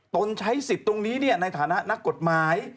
ตนใช้สิทธิ์ตรงนี้ในฐานะนักกฎหมาย